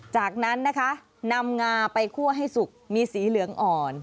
จากนั้นนะคะนำงาไปคั่วให้สุกมีสีเหลืองอ่อน